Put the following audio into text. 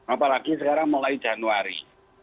apalagi sekarang mulai januari